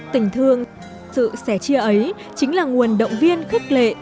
tình thương sự sẻ chia ấy chính là nguồn động viên khích lệ